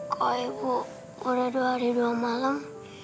kok ibu udah dua hari dua malam